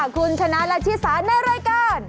คุณชนะและชิสาในรายการ